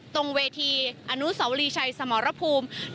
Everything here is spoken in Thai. ตรงเวทีอนุสาวรีชัยสมรภูมิ